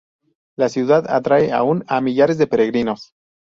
La ciudad atrae aún a millares de peregrinos.